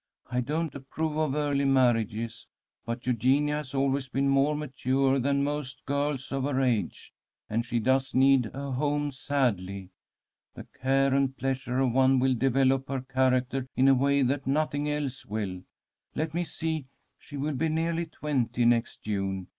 I don't approve of early marriages, but Eugenia has always been more mature than most girls of her age, and she does need a home sadly. The care and pleasure of one will develop her character in a way that nothing else will. Let me see. She will be nearly twenty next June.